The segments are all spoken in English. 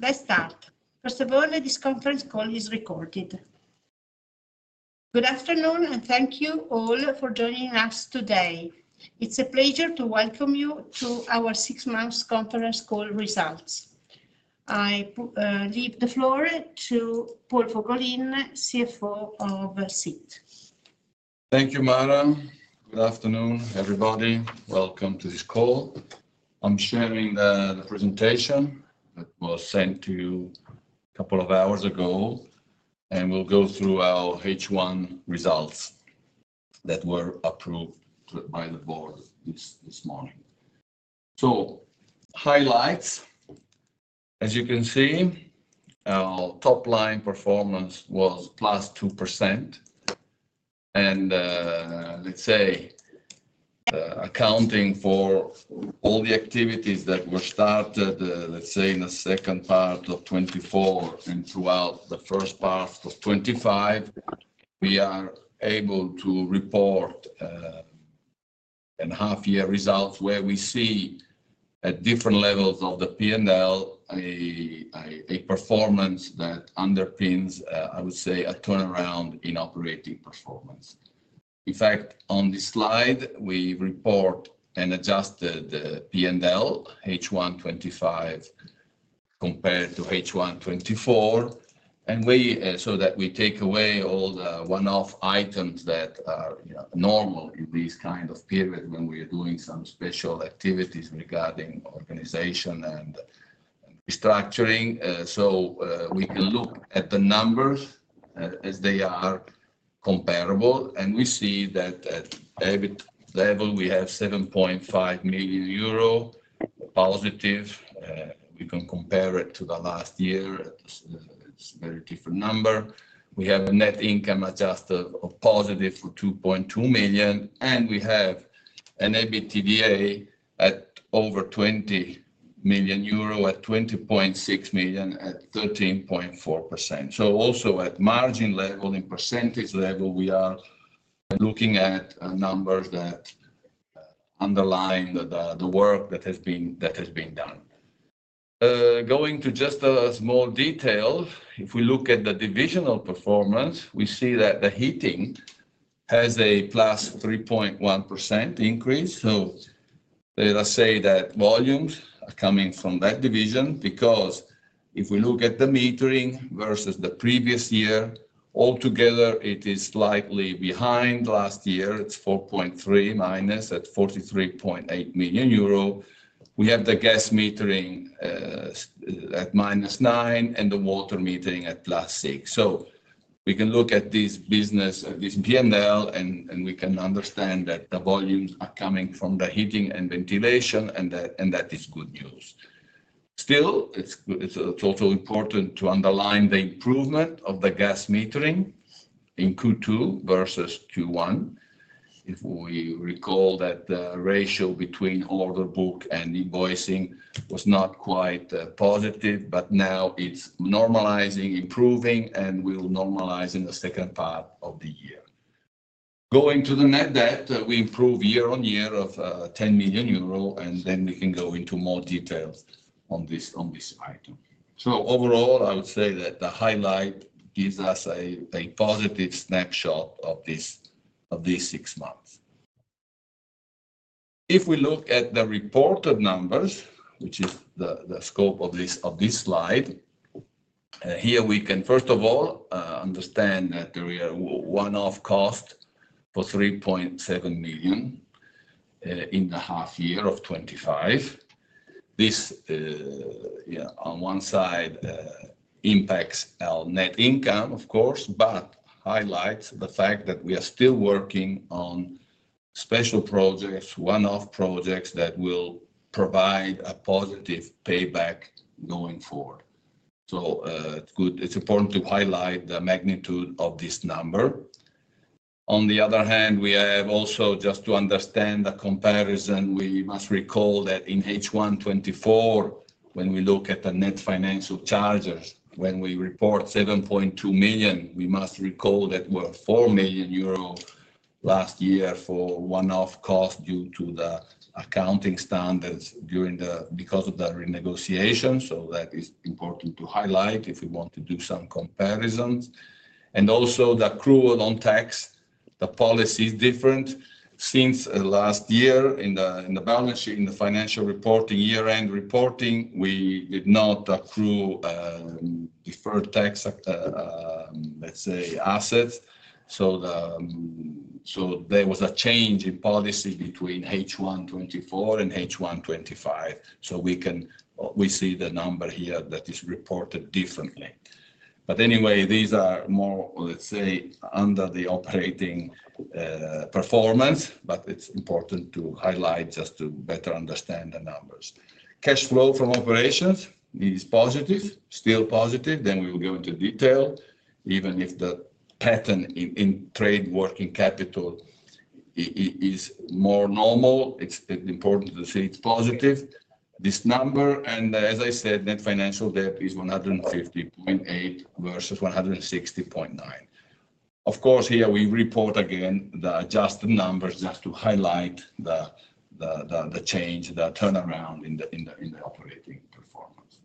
Let's start. First of all, this conference call is recorded. Good afternoon, and thank you all for joining us today. It's a pleasure to welcome you to our six-month conference call results. I leave the floor to Paul Fogolin, CFO of SIT. Thank you, Maran. Good afternoon, everybody. Welcome to this call. I'm sharing the presentation that was sent to you a couple of hours ago, and we'll go through our H1 results that were approved by the board this morning. Highlights. As you can see, our top-line performance was +2%. Accounting for all the activities that were started in the second part of 2024 and throughout the first part of 2025, we are able to report a half-year result where we see, at different levels of the P&L, a performance that underpins, I would say, a turnaround in operating performance. In fact, on this slide, we report an adjusted P&L, H1 2025, compared to H1 2024. We take away all the one-off items that are normal in this kind of period when we're doing some special activities regarding organization and restructuring. We can look at the numbers as they are comparable, and we see that at EBIT level, we have +7.5 million euro. We can compare it to last year. It's a very different number. We have a net income adjusted of +2.2 million, and we have an EBITDA at over 20 million euro, at 20.6 million, at 13.4%. Also at margin level and percentage level, we are looking at numbers that underline the work that has been done. Going to just a small detail, if we look at the divisional performance, we see that the heating has a +3.1% increase. Volumes are coming from that division because if we look at the metering versus the previous year, altogether, it is slightly behind last year. It's -4.3% at 43.8 million euro. We have the gas metering at -9% and the water metering at +6%. We can look at this business, this P&L, and we can understand that the volumes are coming from the heating and ventilation, and that is good news. Still, it's also important to underline the improvement of the gas metering in Q2 versus Q1. If we recall that the ratio between order book and invoicing was not quite positive, but now it's normalizing, improving, and will normalize in the second part of the year. Going to the net debt, we improved year on year by 10 million euro, and then we can go into more details on this slide. Overall, I would say that the highlight gives us a positive snapshot of these six months. If we look at the reported numbers, which is the scope of this slide, here we can, first of all, understand that there are one-off costs for 3.7 million in the half year of 2025. This, on one side, impacts our net income, of course, but highlights the fact that we are still working on special projects, one-off projects that will provide a positive payback going forward. It's good. It's important to highlight the magnitude of this number. On the other hand, just to understand the comparison, we must recall that in H1-2024, when we look at the net financial charges, when we report 7.2 million, we must recall that there were 4 million euro last year for one-off costs due to the accounting standards because of the renegotiation. That is important to highlight if we want to do some comparisons. Also, the accrual on tax, the policy is different. Since last year, in the balance sheet, in the financial reporting, year-end reporting, we did not accrue deferred tax assets. There was a change in policy between H1-2024 and H1-2025. We see the number here that is reported differently. These are more, let's say, under the operating performance, but it's important to highlight just to better understand the numbers. Cash flow from operations is positive, still positive. We will go into detail. Even if the pattern in trade working capital is more normal, it's important to say it's positive. This number, and as I said, net financial debt is 150.8 million versus 160.9 million. Here we report again the adjusted numbers just to highlight the change, the turnaround in the operating performance.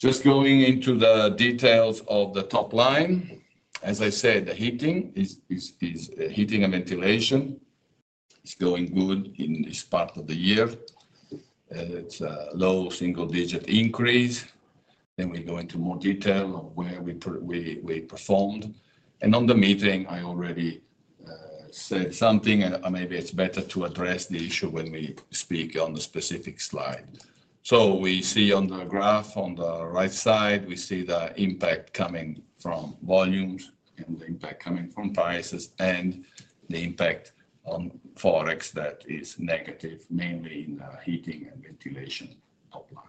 Just going into the details of the top line, as I said, the heating and ventilation is going good in this part of the year. It's a low single-digit increase. We go into more detail of where we performed. On the metering, I already said something, and maybe it's better to address the issue when we speak on the specific slide. We see on the graph on the right side, we see the impact coming from volumes and the impact coming from prices and the impact on forex that is negative, mainly in the heating and ventilation top line.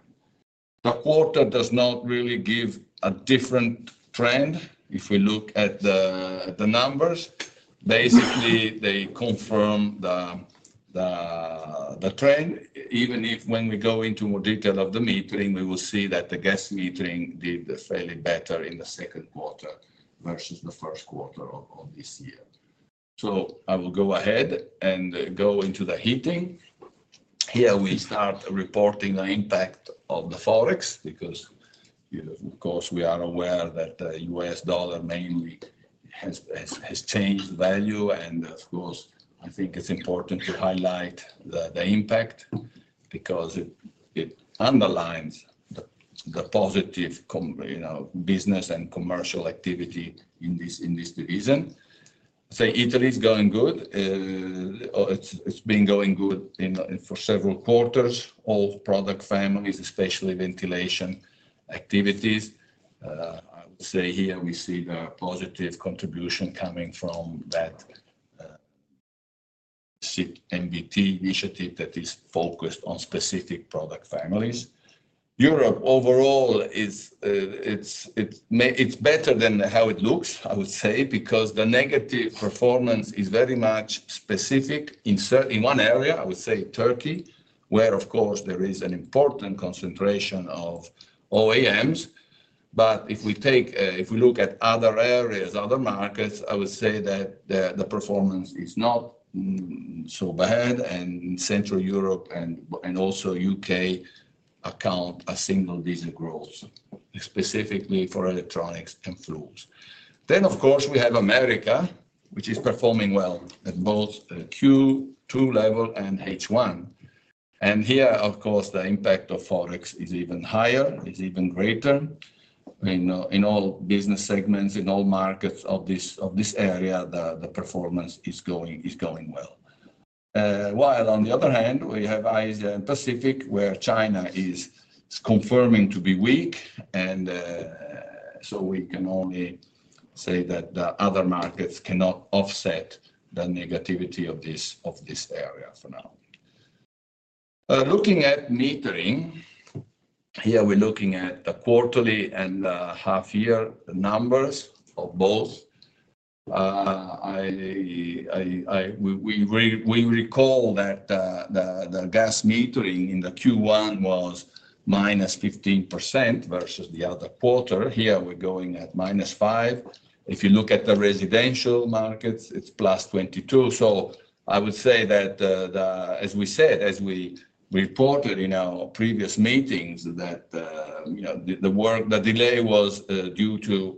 The quarter does not really give a different trend. If we look at the numbers, basically, they confirm the trend. Even if when we go into more detail of the metering, we will see that the gas metering did fairly better in the second quarter versus the first quarter of this year. I will go ahead and go into the heating. Here, we start reporting the impact of the forex because, you know, of course, we are aware that the U.S. dollar mainly has changed value. I think it's important to highlight the impact because it underlines the positive, you know, business and commercial activity in this division. I'd say Italy is going good. It's been going good for several quarters, all product families, especially ventilation activities. I would say here we see the positive contribution coming from that SIT MBT initiative that is focused on specific product families. Europe, overall, is better than how it looks, I would say, because the negative performance is very much specific in one area, I would say Turkey, where, of course, there is an important concentration of OEMs. If we look at other areas, other markets, I would say that the performance is not so bad. In Central Europe and also U.K. account a single-digit growth, specifically for electronics and fuels. Of course, we have America, which is performing well at both Q2 level and H1. Here, of course, the impact of forex is even higher, is even greater. In all business segments, in all markets of this area, the performance is going well. While, on the other hand, we have Asia and Pacific, where China is confirming to be weak. We can only say that the other markets cannot offset the negativity of this area for now. Looking at metering, here we're looking at the quarterly and the half-year numbers of both. We recall that the gas metering in Q1 was -15% versus the other quarter. Here, we're going at -5%. If you look at the residential markets, it's +22%. I would say that, as we said, as we reported in our previous meetings, the work, the delay was due to,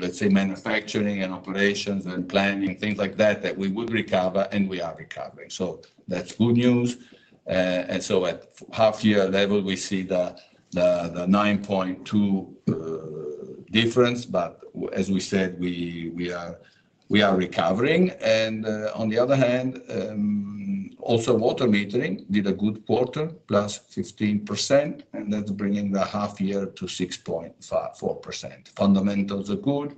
let's say, manufacturing and operations and planning, things like that, that we would recover and we are recovering. That's good news. At half-year level, we see the 9.2% difference. As we said, we are recovering. On the other hand, also water metering did a good quarter, +15%. That's bringing the half-year to 6.4%. Fundamentals are good.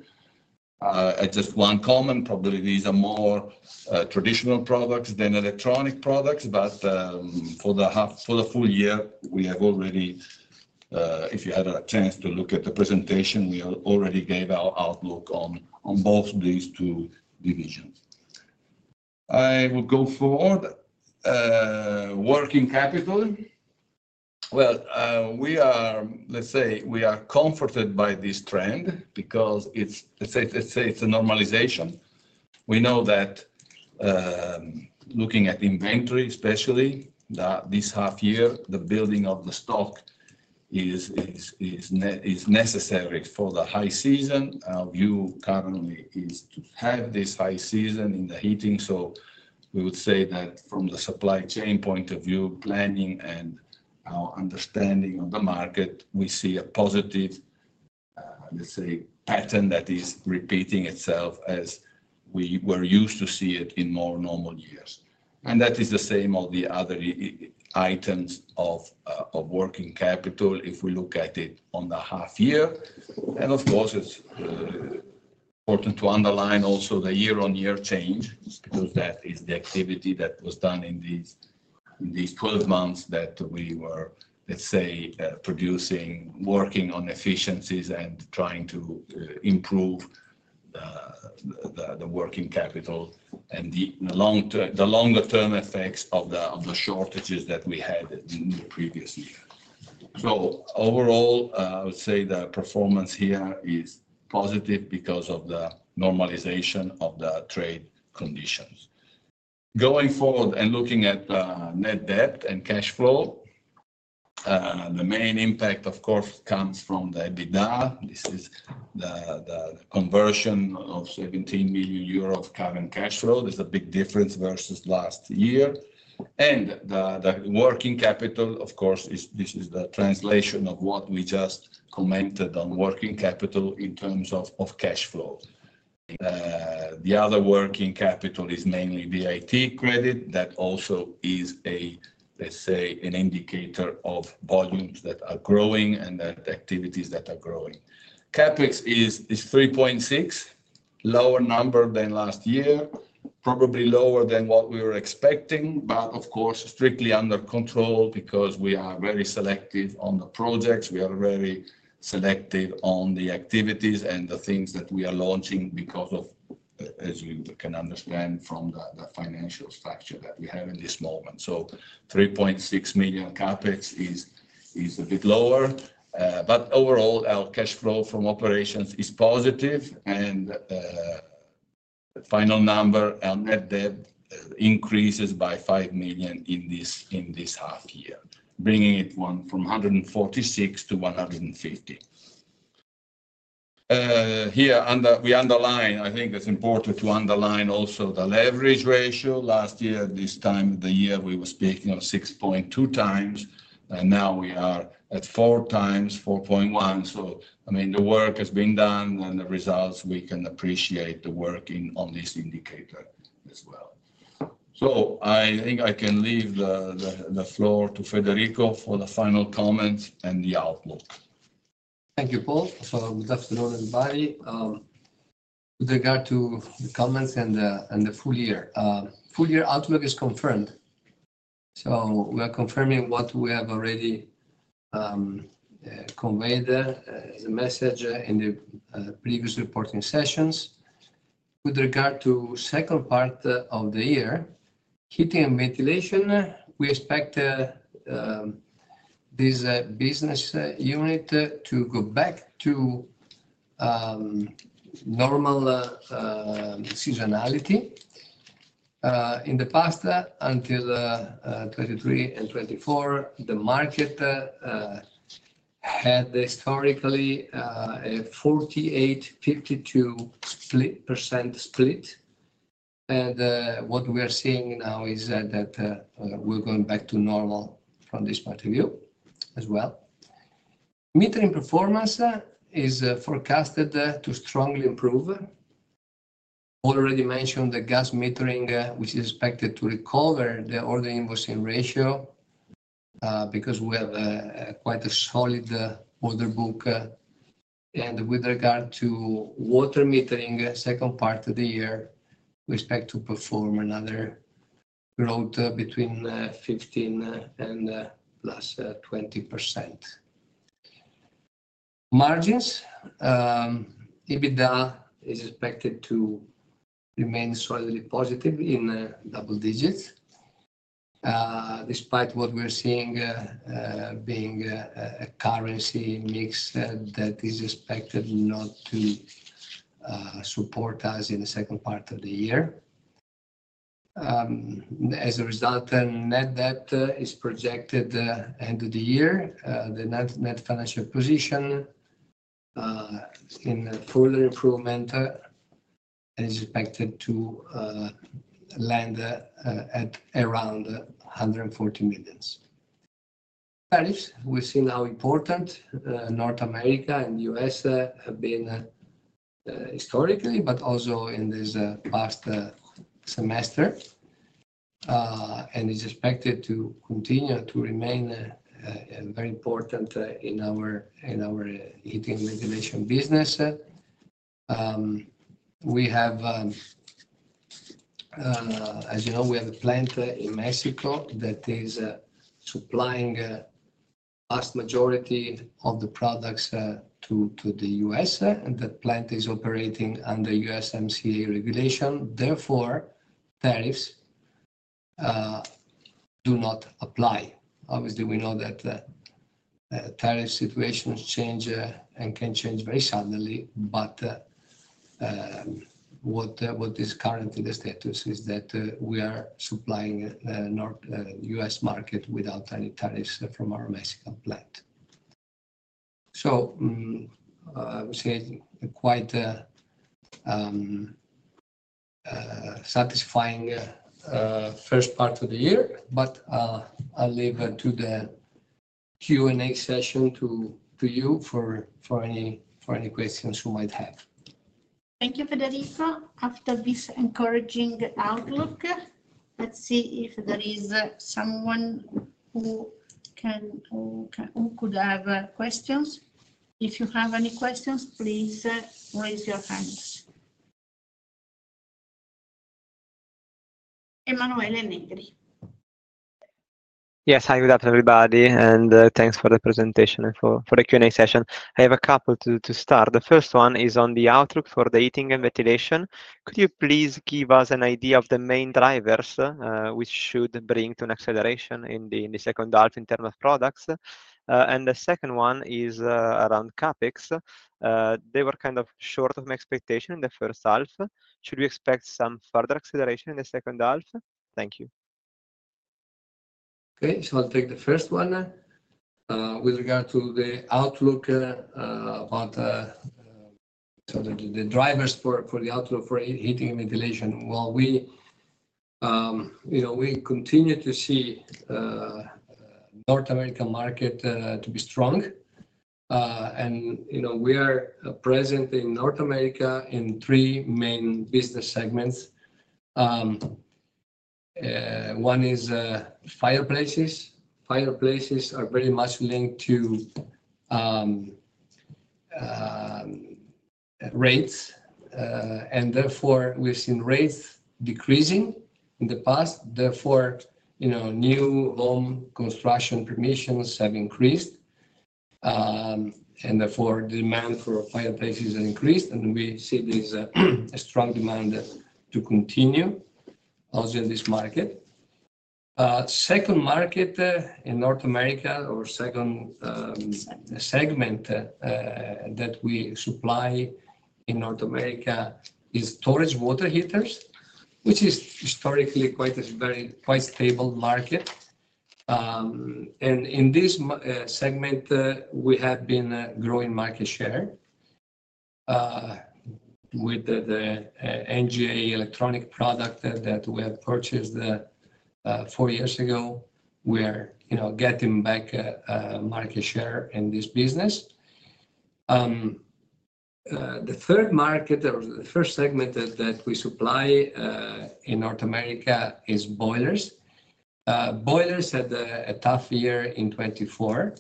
Just one comment, probably these are more traditional products than electronic products. For the full year, we have already, if you had a chance to look at the presentation, we already gave our outlook on both these two divisions. I will go forward. Working capital. We are comforted by this trend because it's a normalization. We know that looking at inventory, especially this half-year, the building of the stock is necessary for the high season. Our view currently is to have this high season in the heating. We would say that from the supply chain point of view, planning and our understanding of the market, we see a positive pattern that is repeating itself as we were used to see it in more normal years. That is the same for the other items of working capital if we look at it on the half-year. Of course, it's important to underline also the year-on-year change because that is the activity that was done in these 12 months that we were producing, working on efficiencies and trying to improve the working capital and the longer-term effects of the shortages that we had in the previous year. Overall, I would say the performance here is positive because of the normalization of the trade conditions. Going forward and looking at the net debt and cash flow, the main impact, of course, comes from the EBITDA. This is the conversion of 17 million euro of current cash flow. There's a big difference versus last year. The working capital, of course, this is the translation of what we just commented on working capital in terms of cash flow. The other working capital is mainly VAT credit. That also is an indicator of volumes that are growing and the activities that are growing. CapEx is 3.6 million, lower number than last year, probably lower than what we were expecting. Of course, strictly under control because we are very selective on the projects. We are very selective on the activities and the things that we are launching because of, as you can understand from the financial structure that we have in this moment. 3.6 million CapEx is a bit lower. Overall, our cash flow from operations is positive. The final number, our net debt increases by 5 million in this half year, bringing it from 146 million to 150 million. Here, we underline, I think it's important to underline also the leverage ratio. Last year, this time of the year, we were speaking of 6.2x, and now we are at 4x, 4.1x. The work has been done and the results, we can appreciate the work on this indicator as well. I think I can leave the floor to Federico for the final comments and the outlook. Thank you, Paul. Good afternoon, everybody. With regard to the comments and the full year, full year outlook is confirmed. We are confirming what we have already conveyed there, the message in the previous reporting sessions. With regard to the second part of the year, heating and ventilation, we expect this business unit to go back to normal seasonality. In the past, until 2023 and 2024, the market had historically a 48%, 52% split. What we are seeing now is that we're going back to normal from this point of view as well. Metering performance is forecasted to strongly improve. Already mentioned the gas metering, which is expected to recover the order invoicing ratio because we have quite a solid order book. With regard to water metering, the second part of the year, we expect to perform another growth between 15% and +20%. Margins, EBITDA is expected to remain solidly positive in double digits, despite what we're seeing being a currency mix that is expected not to support us in the second part of the year. As a result, net debt is projected at the end of the year. The net financial position, seeing further improvement, is expected to land at around 140 million. Tariffs, we see now important. North America and the U.S. have been historically, but also in this past semester, and it's expected to continue to remain very important in our heating and ventilation business. We have, as you know, a plant in Mexico that is supplying the vast majority of the products to the U.S., and that plant is operating under USMCA regulation. Therefore, tariffs do not apply. Obviously, we know that the tariff situations change and can change very suddenly. What is currently the status is that we are supplying the U.S. market without any tariffs from our Mexican plant. I would say quite a satisfying first part of the year. I'll leave to the Q&A session to you for any questions you might have. Thank you, Federico. After this encouraging outlook, let's see if there is someone who could have questions. If you have any questions, please raise your hand. Emanuele Negri. Yes, hi with everybody, and thanks for the presentation and for the Q&A session. I have a couple to start. The first one is on the outlook for the heating and ventilation. Could you please give us an idea of the main drivers, which should bring to an acceleration in the second half in terms of products? The second one is, around CapEx. They were kind of short of my expectation in the first half. Should we expect some further acceleration in the second half? Thank you. Okay, so I'll take the first one. With regard to the outlook, about the drivers for the outlook for heating and ventilation. We continue to see the North American market to be strong. We are present in North America in three main business segments. One is fireplaces. Fireplaces are very much linked to rates, and therefore, we've seen rates decreasing in the past. Therefore, new home construction permissions have increased, and the demand for fireplaces has increased. We see this strong demand to continue also in this market. The second market in North America, or second segment that we supply in North America, is storage water heaters, which is historically quite a stable market. In this segment, we have been growing market share. With the NGA electronic product that we have purchased four years ago, we are getting back a market share in this business. The third market, or the first segment that we supply in North America, is boilers. Boilers had a tough year in 2024,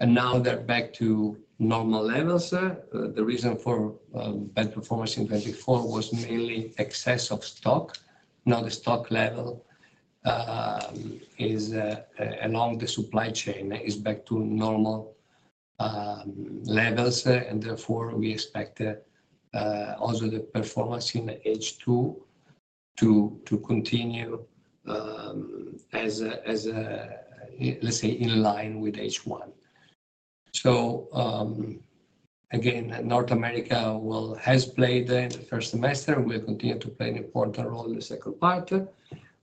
and now they're back to normal levels. The reason for bad performance in 2024 was mainly excess of stock. Now the stock level along the supply chain is back to normal levels, and we expect also the performance in H2 to continue, let's say, in line with H1. North America has played in the first semester. We continue to play an important role in the second part.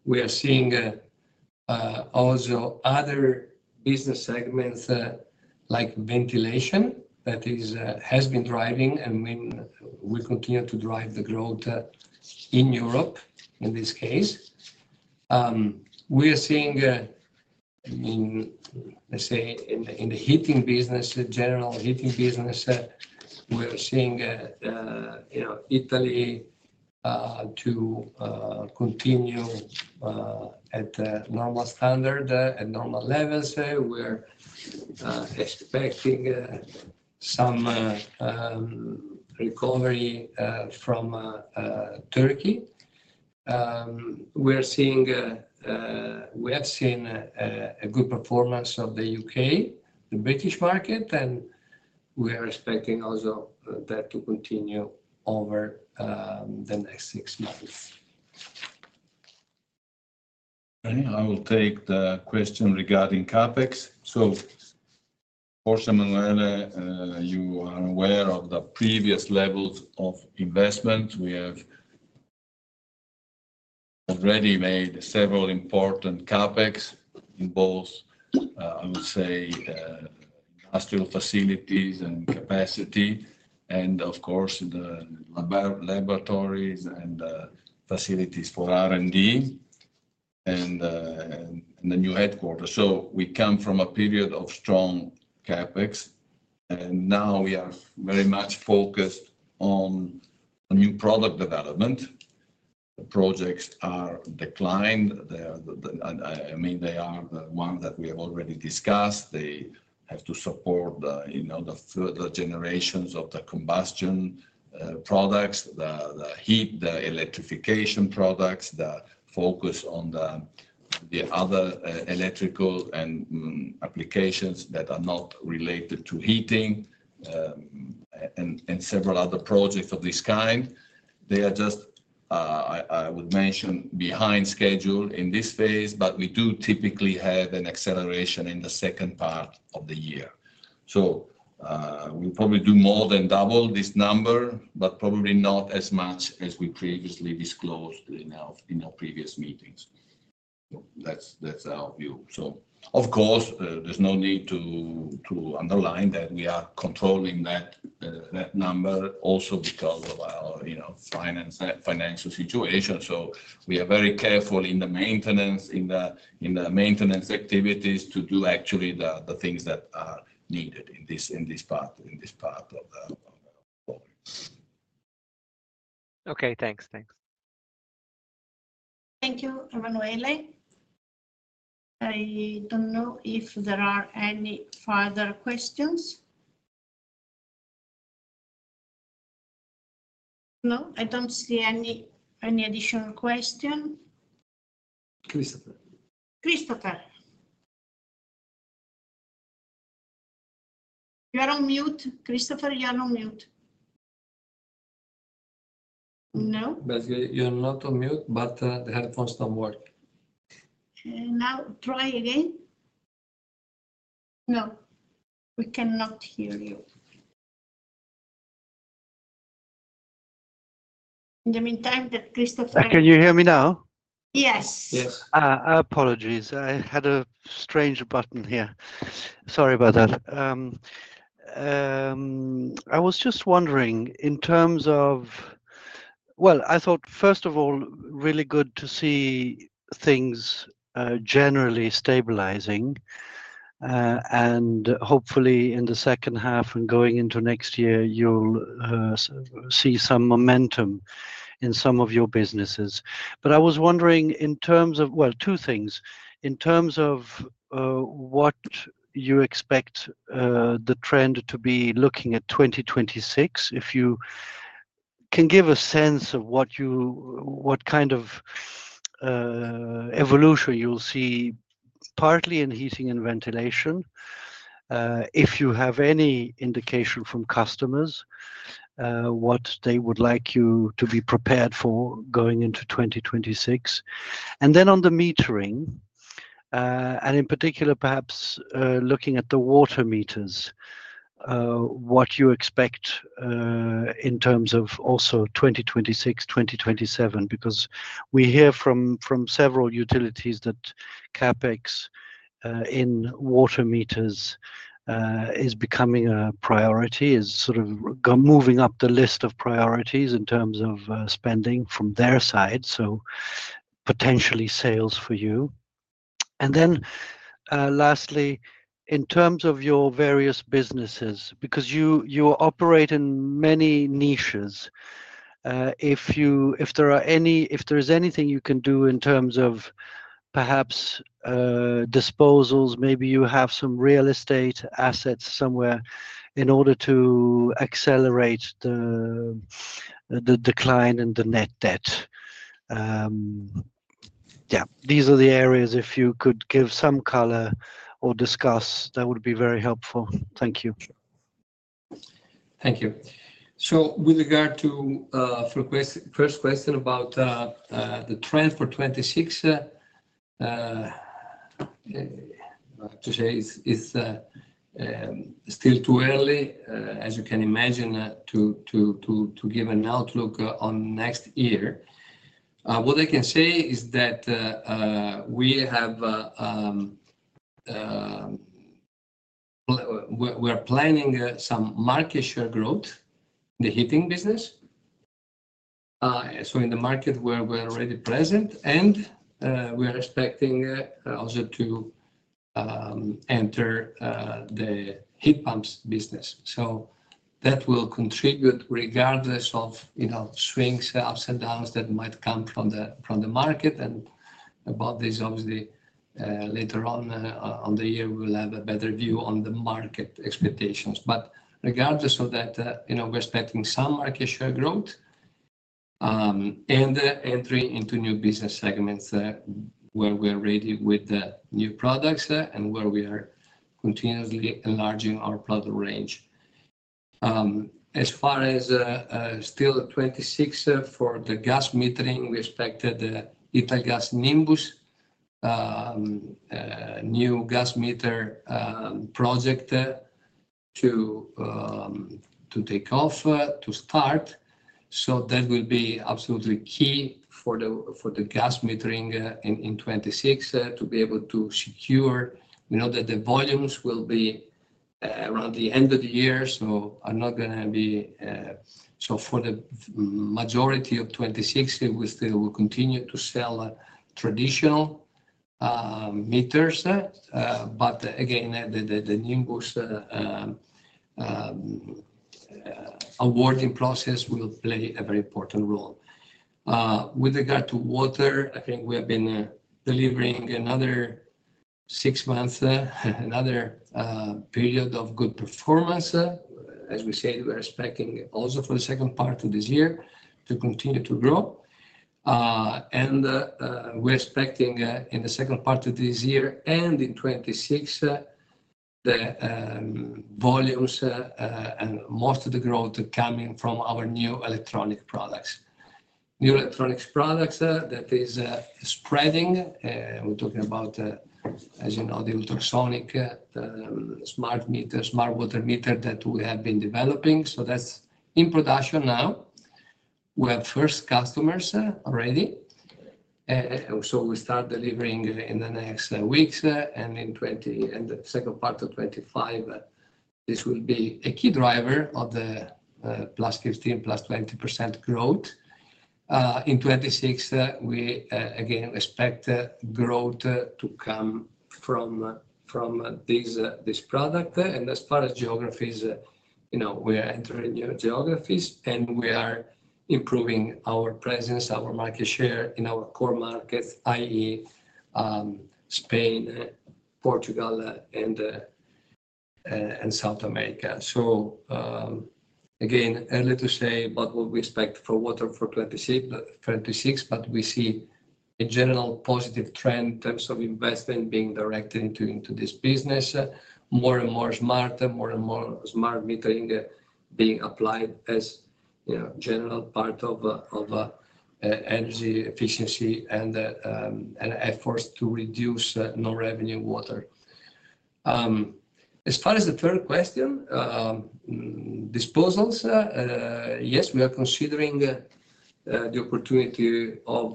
We are seeing also other business segments like ventilation that has been driving and will continue to drive the growth in Europe in this case. In the heating business, general heating business, we're seeing Italy to continue at the normal standard, at normal levels. We're expecting some recovery from Turkey. We have seen a good performance of the U.K., the British market, and we are expecting also that to continue over the next six months. I will take the question regarding CapEx. Of course, Emanuele, you are aware of the previous levels of investment. We have already made several important CapEx in both, I would say, industrial facilities and capacity, and of course, in the laboratories and the facilities for R&D and the new headquarters. We come from a period of strong CapEx, and now we are very much focused on a new product development. The projects are declined. I mean, they are the ones that we have already discussed. They have to support the further generations of the combustion products, the heat, the electrification products, the focus on the other electrical and applications that are not related to heating, and several other projects of this kind. They are just, I would mention, behind schedule in this phase. We do typically have an acceleration in the second part of the year. We will probably do more than double this number, but probably not as much as we previously disclosed in our previous meetings. That is our view. Of course, there is no need to underline that we are controlling that number also because of our financial situation. We are very careful in the maintenance, in the maintenance activities to do actually the things that are needed in this part of the... Okay, thanks. Thanks. Thank you, Emanuele. I don't know if there are any further questions. No, I don't see any additional question. Christopher. Christopher, you are on mute. Christopher, you are on mute. No? You are not on mute, but the headphones don't work. Now, try again. No, we cannot hear you. In the meantime, the Christopher... Can you hear me now? Yes. Yes. Apologies. I had a strange button here. Sorry about that. I was just wondering in terms of, first of all, really good to see things generally stabilizing. Hopefully, in the second half and going into next year, you'll see some momentum in some of your businesses. I was wondering in terms of two things. In terms of what you expect the trend to be looking at 2026, if you can give a sense of what kind of evolution you'll see partly in heating and ventilation, if you have any indication from customers what they would like you to be prepared for going into 2026? Then on the metering, and in particular, perhaps looking at the water meters, what you expect in terms of also 2026, 2027, because we hear from several utilities that CapEx in water meters is becoming a priority, is sort of moving up the list of priorities in terms of spending from their side, potentially sales for you? Lastly, in terms of your various businesses, because you operate in many niches, if there is anything you can do in terms of perhaps disposals, maybe you have some real estate assets somewhere in order to accelerate the decline in the net financial debt? These are the areas if you could give some color or discuss, that would be very helpful. Thank you. Thank you. With regard to the first question about the trend for 2026, it's still too early, as you can imagine, to give an outlook on next year. What I can say is that we are planning some market share growth in the heating business in the market where we're already present, and we are expecting also to enter the heat pumps business. That will contribute regardless of swings, ups and downs that might come from the market. Obviously, later on in the year, we'll have a better view on the market expectations. Regardless of that, we're expecting some market share growth and entry into new business segments where we're ready with the new products and where we are continuously enlarging our product range. As far as still the 2026 for the gas metering, we expect the Hita Gas Nimbus, a new gas meter project, to take off, to start. That will be absolutely key for the gas metering in 2026 to be able to secure. We know that the volumes will be around the end of the year. For the majority of 2026, we still will continue to sell traditional meters. Again, the Nimbus awarding process will play a very important role. With regard to water, I think we have been delivering another six months, another period of good performance. As we said, we're expecting also for the second part of this year to continue to grow. We're expecting in the second part of this year and in 2026, the volumes and most of the growth coming from our new electronic products. New electronic products that are spreading. We're talking about, as you know, the ultrasonic smart water meter that we have been developing. That's in production now. We have first customers already. We start delivering in the next weeks. In the second part of 2025, this will be a key driver of the +15%, +20% growth. In 2026, we again expect growth to come from this product. As far as geographies, we are entering new geographies and we are improving our presence, our market share in our core markets, i.e., Spain, Portugal, and South America. Again, early to say about what we expect for water for 2026, but we see a general positive trend in terms of investment being directed into this business. More and more smart metering being applied as a general part of energy efficiency and efforts to reduce non-revenue water. As far as the third question, disposals, yes, we are considering the opportunity of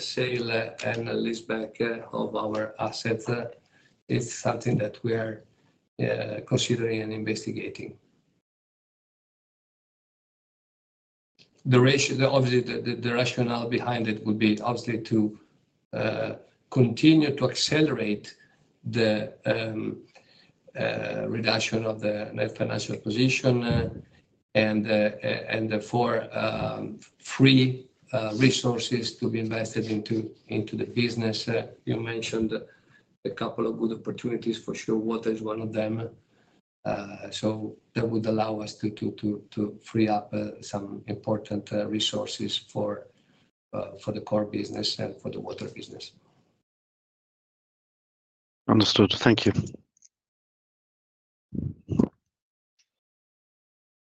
cellular analytics of our assets. It's something that we are considering and investigating. The ratio, obviously, the rationale behind it would be obviously to continue to accelerate the reduction of the net financial position and therefore free resources to be invested into the business. You mentioned a couple of good opportunities for sure. Water is one of them. That would allow us to free up some important resources for the core business and for the water business. Understood. Thank you.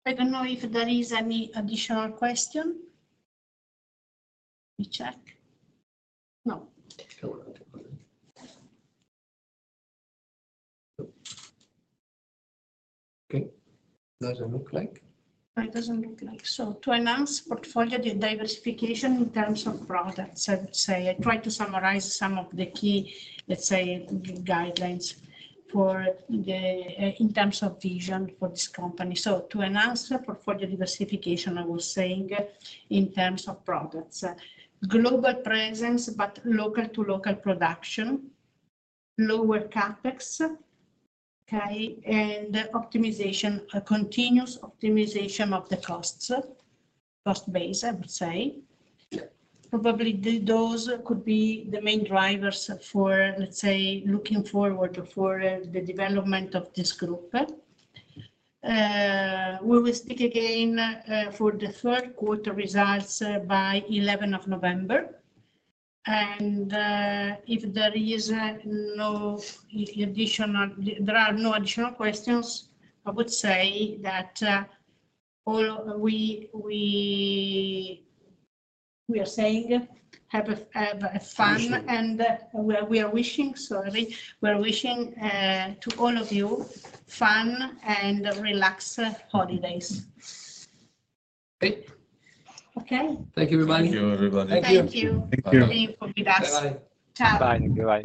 I don't know if there is any additional question. Let me check. No. Okay, doesn't look like. It doesn't look like. To announce portfolio diversification in terms of products, I would say I try to summarize some of the key guidelines in terms of vision for this company. To announce portfolio diversification, I was saying in terms of products, global presence, but local to local production, lower CapEx, and continuous optimization of the cost base, I would say. Probably those could be the main drivers for looking forward for the development of this group. We will speak again for the third quarter results by 11th of November. If there are no additional questions, I would say that we are wishing to all of you fun and relaxed holidays. Okay. Okay. Thank you, everybody. Thank you, everybody. Thank you. Thank you. Thank you. Bye-bye. Bye. Bye. Bye.